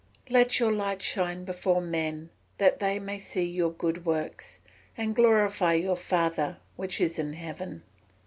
[Verse: "Let your light so shine before men, that they may see your good works, and glorify your father which is in heaven."